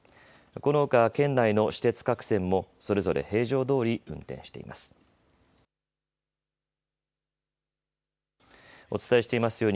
このほか県内の私鉄各線もそれぞれ平常どおり運転しています。